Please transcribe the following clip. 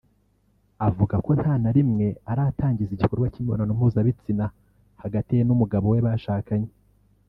avuga ko nta na rimwe aratangiza igikorwa cy’imibonano mpuzabitsina hagati ye n’umugabo we bashakanye